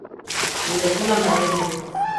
Nimekula maembe.